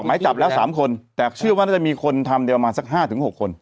ออกไหมจับแล้วสามคนแต่เชื่อว่าน่าจะมีคนทำเดียวมาสักห้าถึงหกคน